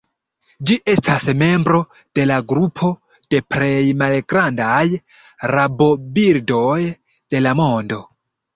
Ĝi estas membro de la grupo de plej malgrandaj rabobirdoj de la mondo.